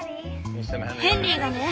ヘンリーがね